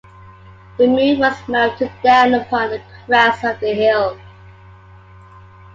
The moon was melting down upon the crest of the hill.